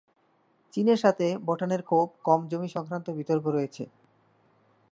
চীনের সাথে ভুটানের খুব কম জমি সংক্রান্ত বিতর্ক রয়েছে।